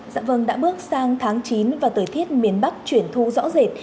dạ vâng đã bước sang tháng chín và thời tiết miền bắc chuyển thu rõ rệt